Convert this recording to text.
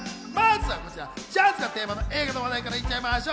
まずはジャズがテーマの映画の話題から行っちゃいましょう！